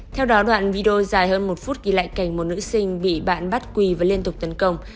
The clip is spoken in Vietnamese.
theo đó đoạn video dài hơn một phút ghi lại cảnh một nữ sinh bị bạn bắt quỳ và liên tục tấn công